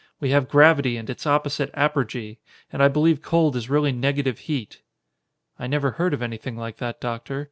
We have gravity and its opposite apergy, and I believe cold is really negative heat." "I never heard of anything like that, Doctor.